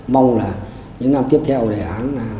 mong là những năm tiếp theo đề án